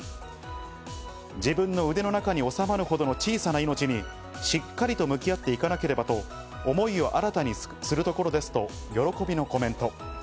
自分の腕の中に収まるほどの小さな命に、しっかりと向き合っていかなければと、思いを新たにするところです、と喜びのコメント。